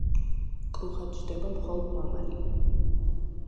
კრუხად ჯდება მხოლოდ მამალი.